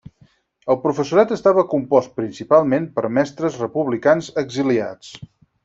El professorat estava compost principalment per mestres republicans exiliats.